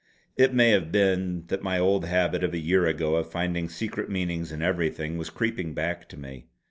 It may have been that my old habit of a year ago of finding secret meanings in everything was creeping back to me.